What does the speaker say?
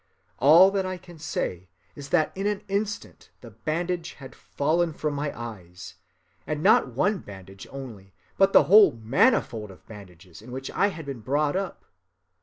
All that I can say is that in an instant the bandage had fallen from my eyes; and not one bandage only, but the whole manifold of bandages in which I had been brought up.